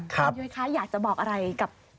คุณยุ้ยคะอยากจะบอกอะไรกับ